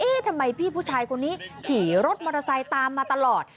ทำไมพี่ผู้ชายคนนี้ขี่รถมอเตอร์ไซค์ตามมาตลอด